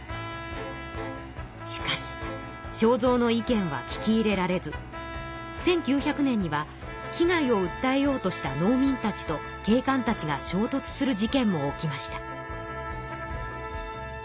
しかし正造の意見は聞き入れられず１９００年には被害を訴えようとした農民たちと警官たちが衝突する事件も起きました。